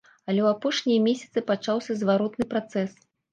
Але ў апошнія месяцы пачаўся зваротны працэс.